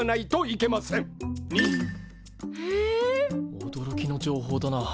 おどろきの情報だな。